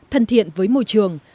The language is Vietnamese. thân thiện với môi trường